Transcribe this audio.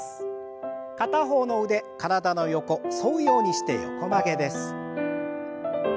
片方の腕体の横沿うようにして横曲げです。